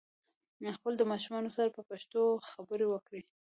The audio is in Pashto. خپل د ماشومانو سره په پښتو خبري وکړئ